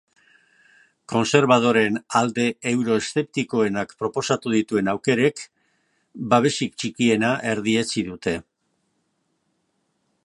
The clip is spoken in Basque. Kontserbadoreen alde euroeszeptikoenak proposatu dituen aukerek babesik txikiena erdietsi dute.